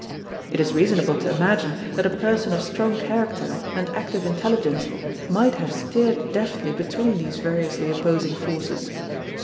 It is reasonable to imagine that a person of strong character and active intelligence might have steered deftly between these variously opposing forces.